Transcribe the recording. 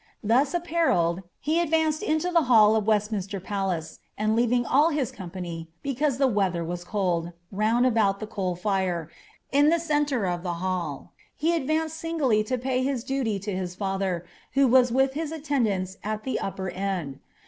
Thus apparelietl, he advanced into the hall of Westminster Palace,' and leaving all his com pany, because the weather was cold, ^^ round about the coal iire^' in the centre of the hall, he advanced singly to pay his duty to his father, who was with his attendants at the upper end.